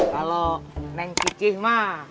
kalau nenk cicih mah